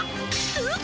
うっ！